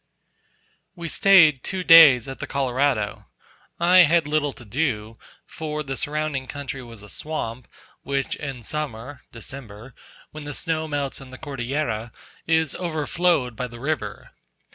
We stayed two days at the Colorado; I had little to do, for the surrounding country was a swamp, which in summer (December), when the snow melts on the Cordillera, is over flowed by the river.